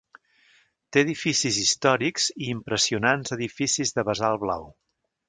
Té edificis històrics i impressionants edificis de basalt blau.